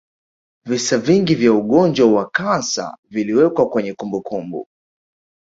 visa vingi vya ugonjwa wa kansa viliwekwa kwenye kumbukumbu